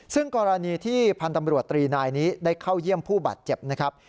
ซึ่งกรณีที่พันธ์ตำรวจตรีนายนี้ได้เข้าเยี่ยมผู้บาดเจ็บนะครับ